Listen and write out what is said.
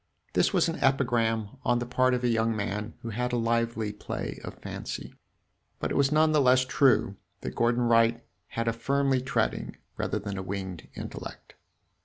This was an epigram on the part of a young man who had a lively play of fancy; but it was none the less true that Gordon Wright had a firmly treading, rather than a winged, intellect.